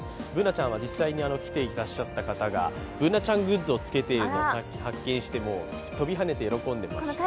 Ｂｏｏｎａちゃんは実際に来ていらしたかたがＢｏｏｎａちゃんグッズをつけていらしたのをさっき発見して、跳びはねて喜んでました。